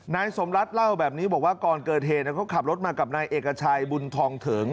นายสมรัฐเล่าแบบนี้บอกว่าก่อนเกิดเหตุเขาขับรถมากับนายเอกชัยบุญทองเถิง